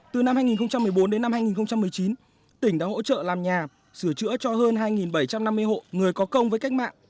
từ năm hai nghìn một mươi bốn đến năm hai nghìn một mươi chín tỉnh đã hỗ trợ làm nhà sửa chữa cho hơn hai bảy trăm năm mươi hộ người có công với cách mạng